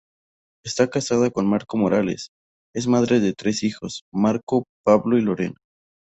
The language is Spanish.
Está casada con Marco Morales; es madre de tres hijos: Marco, Pablo y Lorena.